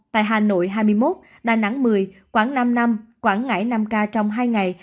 tại hà nội hai mươi một đà nẵng một mươi quảng nam năm quảng ngãi năm ca trong hai ngày